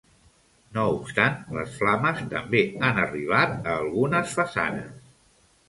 No obstant, les flames també han arribat a algunes façanes.